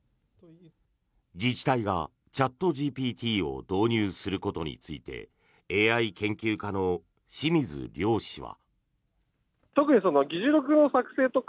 自治体がチャットＧＰＴを導入することについてＡＩ研究家の清水亮氏は。